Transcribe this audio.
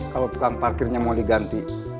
kalau tukang parkirnya mau diganti